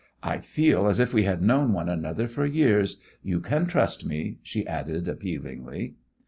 "I feel as if we had known one another for years; you can trust me," she added, appealingly.